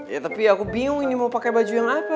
ya tapi aku bingung ini mau pakai baju yang apa